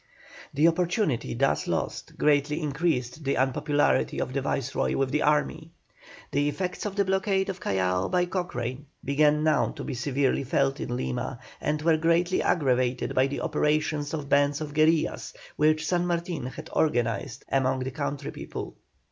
The opportunity thus lost greatly increased the unpopularity of the Viceroy with the army. The effects of the blockade of Callao by Cochrane began now to be severely felt in Lima, and were greatly aggravated by the operations of bands of guerillas which San Martin had organized among the country people.